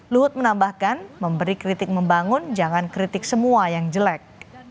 luhut menambahkan memberi kritik membangun jangan kritik semua yang jelek